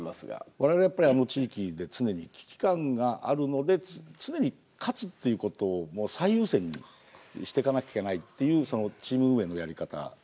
我々やっぱりあの地域で常に危機感があるので常に勝つっていうことをもう最優先にしてかなきゃいけないっていうチーム運営のやり方ですよね。